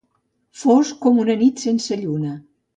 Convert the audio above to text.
Fosc com una nit sense lluna.